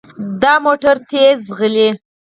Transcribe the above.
دا موټر تیز ځغلي.